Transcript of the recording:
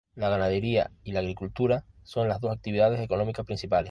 La ganadería y la agricultura son las dos actividades económicas principales.